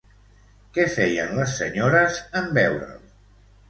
Què feien les senyores en veure'l?